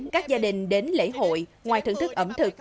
các gia đình đến lễ hội ngoài thưởng thức ẩm thực